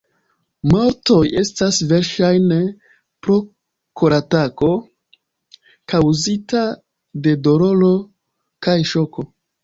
Mortoj estas verŝajne pro koratako kaŭzita de doloro kaj ŝoko.